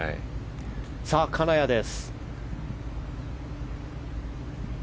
さあ、金谷です。